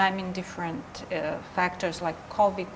dan saya berpikir tentang faktor yang berbeda seperti covid sembilan belas